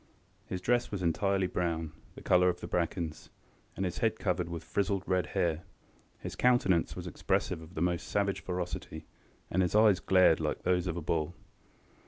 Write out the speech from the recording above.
His dress was entirely brown, the colour of the brackens, and his head covered with frizzled red hair. His countenance was expressive of the most savage ferocity, and his eyes glared like those of a bull.